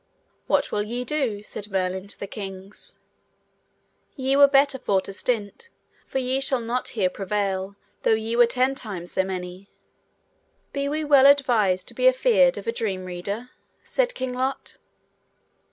What will ye do? said Merlin to the kings; ye were better for to stint, for ye shall not here prevail though ye were ten times so many. Be we well advised to be afeared of a dream reader? said King Lot.